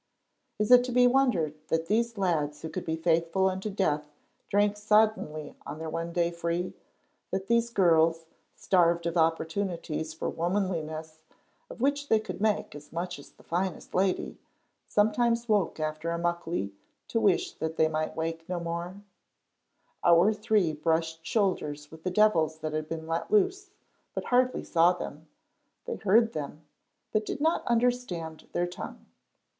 Is it to be wondered that these lads who could be faithful unto death drank soddenly on their one free day, that these girls, starved of opportunities for womanliness, of which they could make as much as the finest lady, sometimes woke after a Muckley to wish that they might wake no more? Our three brushed shoulders with the devils that had been let loose, but hardly saw them; they heard them, but did not understand their tongue.